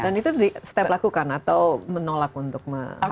dan itu di setep lakukan atau menolak untuk menghabis